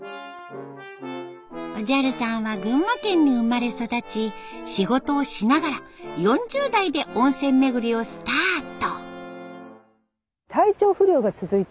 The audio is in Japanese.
おじゃる☆さんは群馬県に生まれ育ち仕事をしながら４０代で温泉巡りをスタート。